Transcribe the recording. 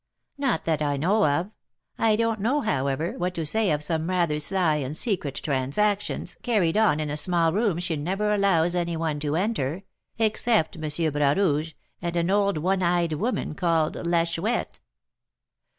"Not that I know of. I don't know, however, what to say of some rather sly and secret transactions, carried on in a small room she never allows any one to enter, except M. Bras Rouge and an old one eyed woman, called La Chouette."